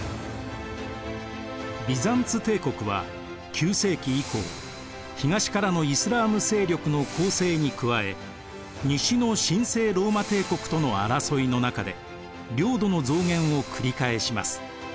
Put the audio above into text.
ビザンツ帝国は９世紀以降東からのイスラーム勢力の攻勢に加え西の神聖ローマ帝国との争いの中で領土の増減を繰り返します。